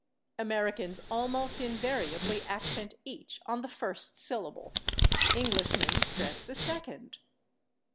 Americans almost invariably accent each on the first syllable; Englishmen stress the second.